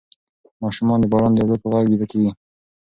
ماشومان د باران د اوبو په غږ ویده کیږي.